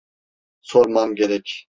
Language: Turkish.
Sormam gerek.